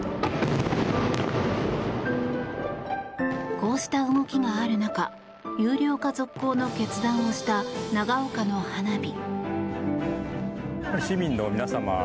こうした動きがある中有料化続行の決断をした長岡の花火。